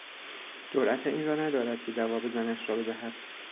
جرات این را ندارد که جواب زنش را بدهد.